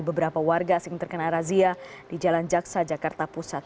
beberapa warga asing terkena razia di jalan jaksa jakarta pusat